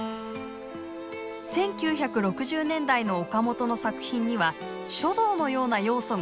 １９６０年代の岡本の作品には書道のような要素が加わります。